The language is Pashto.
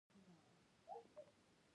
د غاړې په دستمال مې خولې وچې کړې.